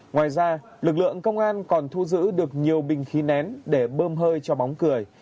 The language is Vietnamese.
ngoài ra lực lượng công an còn thu giữ được nhiều bình khí nén để bơm hơi cho bóng cười